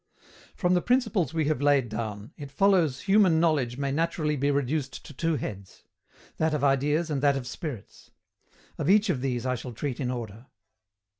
From the principles we have laid down it follows human knowledge may naturally be reduced to two heads that of ideas and that of spirits. Of each of these I shall treat in order.